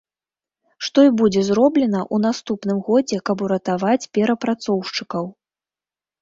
Што і будзе зроблена ў наступным годзе, каб уратаваць перапрацоўшчыкаў.